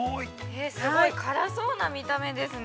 ◆すごい辛そうな見た目ですね。